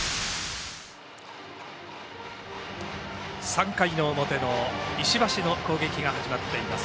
３回表の石橋の攻撃が始まっています。